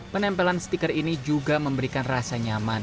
penempelan stiker ini juga memberikan rasa nyaman